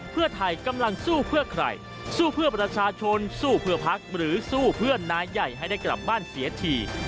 เพื่อไทยกำลังสู้เพื่อใครสู้เพื่อประชาชนสู้เพื่อพักหรือสู้เพื่อนนายใหญ่ให้ได้กลับบ้านเสียที